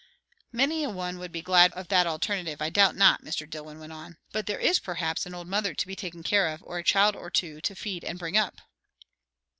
"Many a one would be glad of that alternative, I doubt not," Mr. Dillwyn went on. "But there is perhaps an old mother to be taken care of, or a child or two to feed and bring up."